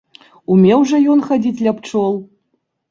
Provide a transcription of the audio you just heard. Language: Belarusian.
Умеў жа ён хадзіць ля пчол!